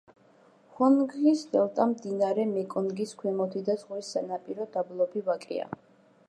ჰონგჰის დელტა, მდინარე მეკონგის ქვემოთი და ზღვის სანაპირო დაბლობი ვაკეა.